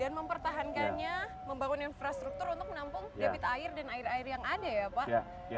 dan mempertahankannya membangun infrastruktur untuk menampung debit air dan air air yang ada ya pak